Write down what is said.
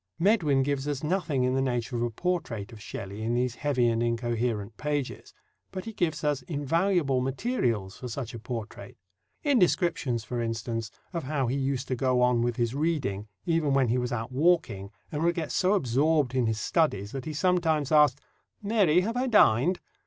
Medwin gives us nothing in the nature of a portrait of Shelley in these heavy and incoherent pages; but he gives us invaluable materials for such a portrait in descriptions, for instance, of how he used to go on with his reading, even when he was out walking, and would get so absorbed in his studies that he sometimes asked, "Mary, have I dined?"